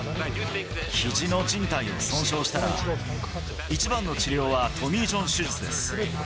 ひじのじん帯を損傷したら、一番の治療はトミー・ジョン手術です。